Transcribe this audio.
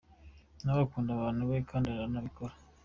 Nawe akunda abantu be, kandi aranabikora.